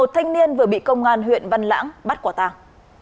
một mươi một thanh niên vừa bị công an huyện văn lãng bắt quả tang